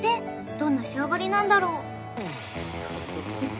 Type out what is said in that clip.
どんな仕上がりなんだろう一方